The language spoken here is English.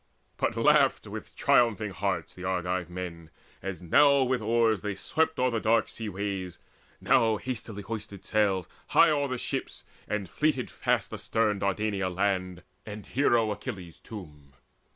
But laughed with triumphing hearts the Argive men, As now with oars they swept o'er dark sea ways, Now hastily hoised the sails high o'er the ships, And fleeted fast astern Dardania land, And Hero Achilles' tomb.